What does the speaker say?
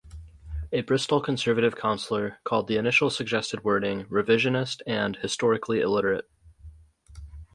A Bristol Conservative councillor called the initial suggested wording "revisionist" and "historically illiterate".